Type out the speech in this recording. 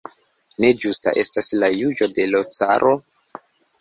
Ne justa estas la juĝo de l' caro?